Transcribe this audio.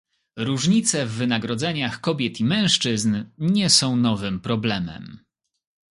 Różnice w wynagrodzeniach kobiet i mężczyzn nie są nowym problemem